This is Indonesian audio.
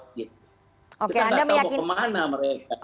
kita nggak tahu mau kemana mereka